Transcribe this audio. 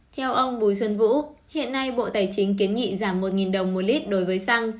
theo ông bùi xuân vũ hiện nay bộ tài chính kiến nghị giảm một đồng một lít đối với xăng